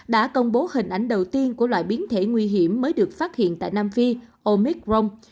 đã công bố hình ảnh đầu tiên của loại biến thể nguy hiểm mới được phát hiện tại nam phi omic rong